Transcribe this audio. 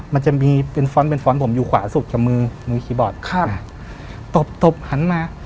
มันจะมีเป็นผมอยู่ขวาสุดกับมือมือคีย์บอร์ดครับตบตบหันมา